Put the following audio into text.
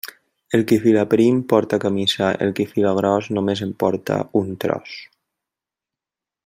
El qui fila prim porta camisa; el qui fila gros només en porta un tros.